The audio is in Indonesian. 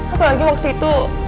apalagi waktu itu